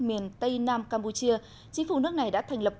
miền tây nam campuchia chính phủ nước này đã thành lập